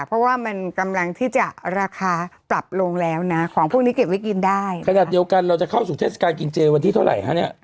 เพราะว่ามันกำลังที่จะราคาปรับลงแล้วนะของพวกนี้เก็บไว้กินได้ขนาดเดียวกันเราจะเข้าสู่เทศกาลกินเจวันที่เท่าไหร่ฮะเนี่ย